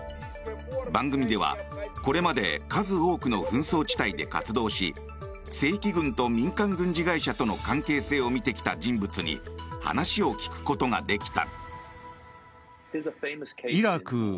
番組では、これまで数多くの紛争地帯で活動し正規軍と民間軍事会社との関係性を見てきた人物に話を聞くことができた。